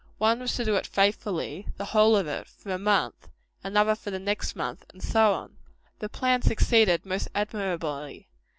One was to do it faithfully the whole of it for a month; another for the next month; and so on. The plan succeeded most admirably.